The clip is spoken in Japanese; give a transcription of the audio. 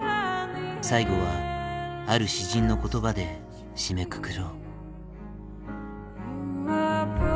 最後はある詩人の言葉で締めくくろう。